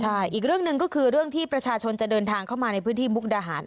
ใช่อีกเรื่องหนึ่งก็คือเรื่องที่ประชาชนจะเดินทางเข้ามาในพื้นที่มุกดาหาร